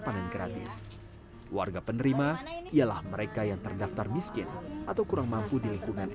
panen gratis warga penerima ialah mereka yang terdaftar miskin atau kurang mampu di lingkungan